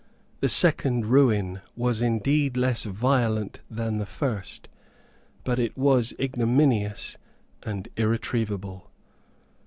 The second ruin was indeed less violent than the first; but it was ignominious and irretrievable.